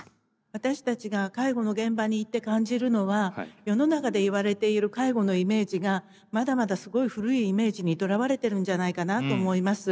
私たちが介護の現場に行って感じるのは世の中でいわれている介護のイメージがまだまだすごい古いイメージにとらわれてるんじゃないかなと思います。